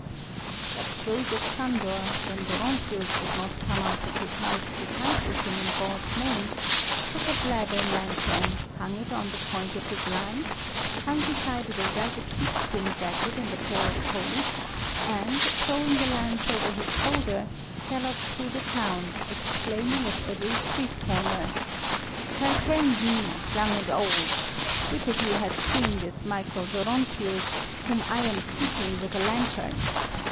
But Joseph Sándor, when Dóronczius would not come out of his house to fight with him in God's name, took a bladder lantern, hung it on the point of his lance, hung beside it a ragged sheep skin jacket and a pair of hose, and throwing the lance over his shoulder, galloped through the town, exclaiming at every street corner "Hearken ye! old and young. Which of you hath seen this Michael Dóronczius, whom I am seeking with a lantern?